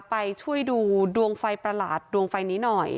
ไปช่วยดูดวงไฟประหลาดดวงไฟนี้หน่อย